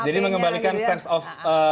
jadi mengembalikan sense of